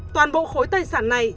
toàn bộ khối tài sản này